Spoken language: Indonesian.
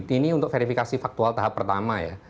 ini untuk verifikasi faktual tahap pertama ya